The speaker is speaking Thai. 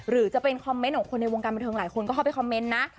หรือจะเป็นคอมเมนต์ของคนในวงการบันเทิงหลายคนก็เข้าไปคอมเมนต์นะ